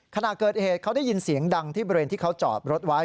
ขณะเกิดเหตุเขาได้ยินเสียงดังที่บริเวณที่เขาจอดรถไว้